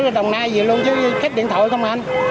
từ bến ở đồng nai về luôn chứ khách điện thoại không anh